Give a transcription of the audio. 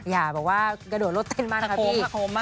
อย่าบอกว่ากระโดดรถเต็มมากเป็นไงครับพี่กระโพม